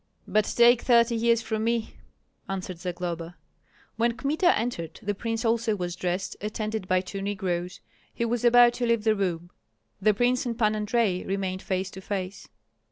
"But take thirty years from me," answered Zagloba. When Kmita entered, the prince also was dressed, attended by two negroes; he was about to leave the room. The prince and Pan Andrei remained face to face.